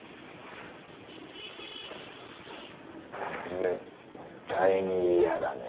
絶対に嫌だね。